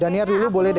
dania dulu boleh deh